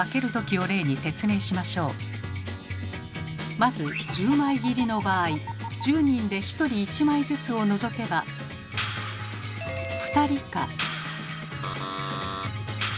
まず１０枚切りの場合１０人で１人１枚ずつを除けば２人か。